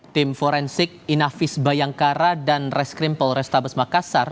tim forensik inafis bayangkara dan reskrim polrestabes makassar